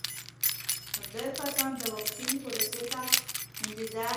ډېر کسان د واکسین پروسې ته انتظار کوي.